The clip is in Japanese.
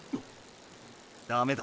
ダメだ。